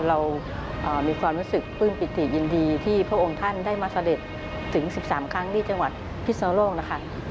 เรามีความรู้สึกฟื้นปิติยินดีที่พวกองท่านได้มาเศรษฐ์ถึง๑๓ครั้งมาฝณีจังหวัดพิชนลกนะคะ